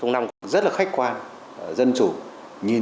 rất là khách quan